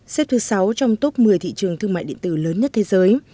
xếp thứ sáu trong top một mươi thị trường thương mại điện tử lớn nhất thế giới